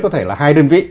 có thể là hai đơn vị